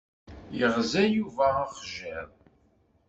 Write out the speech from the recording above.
Yeɣza Yuba axjiḍ.